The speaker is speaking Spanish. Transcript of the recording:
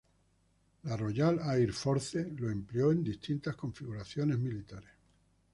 La Royal Air Force lo empleó en distintas configuraciones militares.